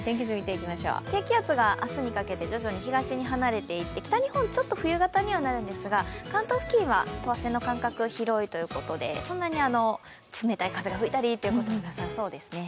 低気圧が明日にかけて徐々に東に離れていって、ちょっと冬型になるんですが関東付近は等圧線の間隔広いということで、そんなに冷たい風が吹いたりということはなさそうです。